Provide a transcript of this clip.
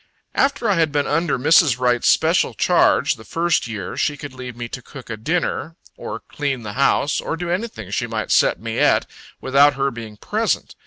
After I had been under Mrs. Wright's special charge the first year, she could leave me to cook a dinner, or clean the house, or do anything she might set me at, without her being present.